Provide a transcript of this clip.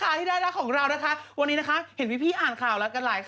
อายพวกมั้ยเลยพวกนี้มีไม่ถาม